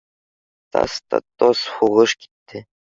Тас та тос һуғыш китте.